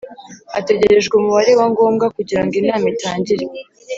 Hategerejwe Umubare wa ngombwa kugira ngo inama itangire